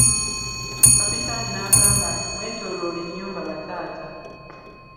Kapitaani n'agamba nti mwetooloole ennyumba bataata!